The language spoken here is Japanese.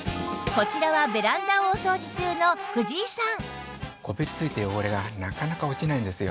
こちらはベランダをお掃除中の藤井さん